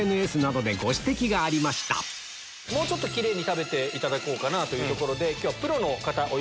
もうちょっとキレイに食べていただこうかなと。